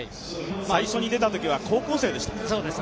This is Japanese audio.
最初に出たときは高校生でした。